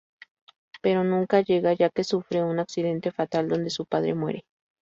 Pero nunca llega ya que sufre un accidente fatal donde su padre muere.